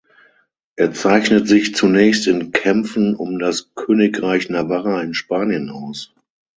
Er zeichnet sich zunächst in Kämpfen um das Königreich Navarra in Spanien aus.